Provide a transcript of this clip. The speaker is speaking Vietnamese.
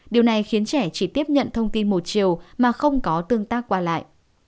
điều này khiến trẻ chỉ tiếp nhận thông tin một chiều mà không có tương tác qua lại